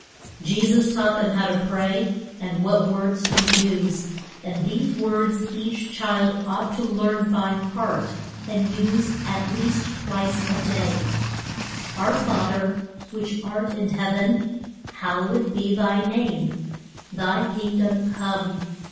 Je sus taught them how to pray, and what words to use; and these words each child ought to learn by heart and use at least twice a day: "Our Fa ther which art in heav en, Hal low ed be thy name. Thy King dom come.